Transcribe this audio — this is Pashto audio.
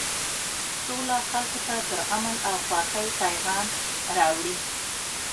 سوله خلکو ته د امن او خوښۍ پیغام راوړي.